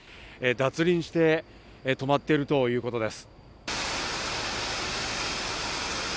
脱輪して止まっているということです。